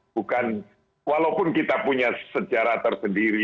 bukan walaupun kita punya secara tersebut